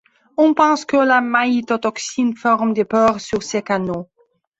On pense que la maïtotoxine forme des pores sur ces canaux.